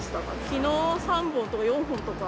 きのう３本とか４本とか。